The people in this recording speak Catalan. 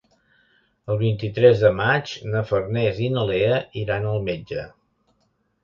El vint-i-tres de maig na Farners i na Lea iran al metge.